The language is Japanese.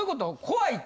怖い？